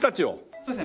そうですね